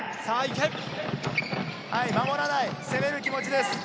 守らない攻める気持ちです。